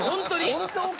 本当か？